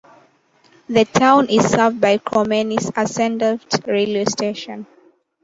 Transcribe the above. The town is served by Krommenie-Assendelft railway station.